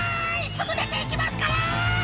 すぐ出ていきますから！」